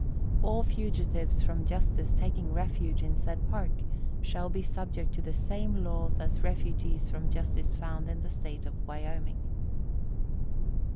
All fugitives from justice taking refuge in said Park shall be subject to the same laws as refugees from justice found in the State of Wyoming.